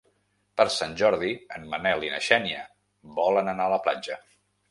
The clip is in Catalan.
Per Sant Jordi en Manel i na Xènia volen anar a la platja.